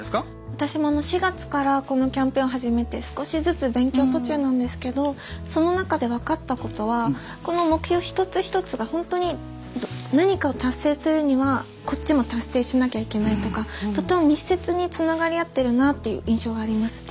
私も４月からこのキャンペーンを始めて少しずつ勉強途中なんですけどその中で分かったことはこの目標一つ一つが本当に何かを達成するにはこっちも達成しなきゃいけないとかとても密接につながり合ってるなっていう印象がありますね。